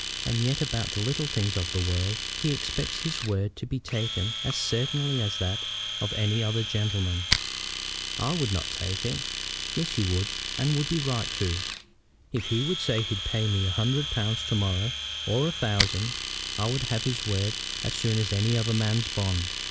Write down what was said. And yet about the little things of the world he expects his word to be taken as certainly as that of any other gentleman." "I would not take it." "Yes, you would, and would be right too. If he would say he'd pay me a hundred pounds to morrow, or a thousand, I would have his word as soon as any other man's bond.